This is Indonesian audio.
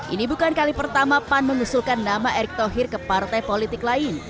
ini bukan kali pertama pan mengusulkan nama erick thohir ke partai politik lain